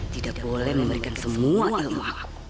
tidak boleh memberikan semua ilmu